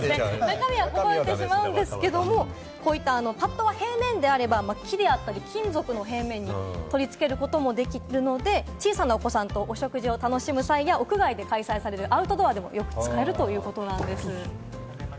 中身はこぼれてしまうんですけれどもパッドは平面であれば、木や金属の平面に取り付けることもできるので、小さなお子さんとお食事を楽しめる際とかアウトドアでも使えるということなんです。